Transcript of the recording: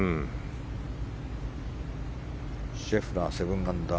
シェフラー、７アンダー。